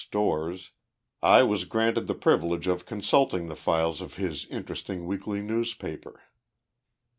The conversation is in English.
Storrs, I was granted the privi lege of consulting the files of his interesting weekly newspaper.